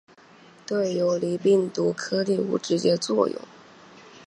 对游离病毒颗粒无直接作用。